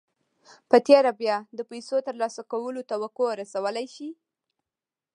په تېره بيا د پيسو ترلاسه کولو توقع رسولای شئ.